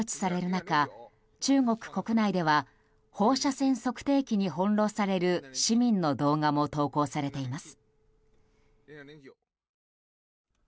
中中国国内では放射線測定器に翻弄される市民の動画も投稿されています。